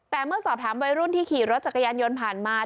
แต่เมื่อสอบถามวัยรุ่นที่ขี่รถจักรยานยนต์ผ่านมา